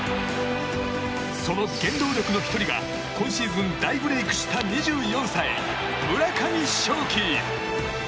その原動力の１人が今シーズン大ブレークした２４歳、村上頌樹。